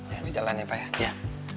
ya di jalan ya pak ya